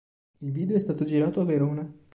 Il video è stato girato a Verona.